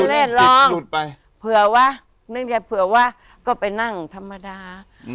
เล่นลองหรือ๋อเหนื่อยจับเผื่อว่าก็ไปนั่งธรรมดา